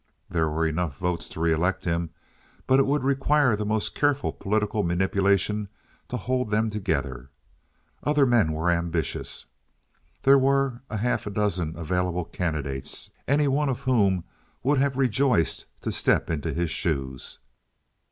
There were enough votes to re elect him, but it would require the most careful political manipulation to hold them together. Other men were ambitious. There were a half dozen available candidates, any one of whom would have rejoiced to step into his shoes.